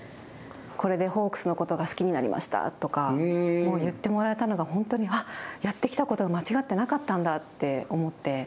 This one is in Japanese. これでホークスのことが好きになりましたとか言ってもらえたのが本当に、やってきたことは間違ってなかったんだって思って